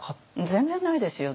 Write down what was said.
全然ないですよ。